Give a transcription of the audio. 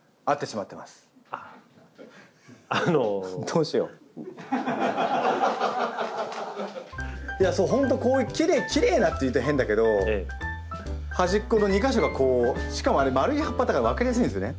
うちのいやそう本当こういうきれい「きれいな」って言うと変だけど端っこの２か所がこうしかもあれまるい葉っぱだから分かりやすいんですよね。